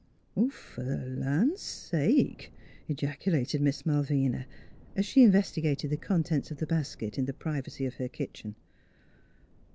"" Fer th' Ian' sake! " ejaculated Miss Malvina, as she investigated the contents of the basket in the privacy of her kitchen.